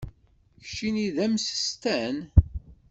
Keččini d amsestan?